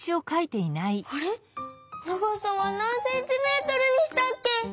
あれ長さはなんセンチメートルにしたっけ？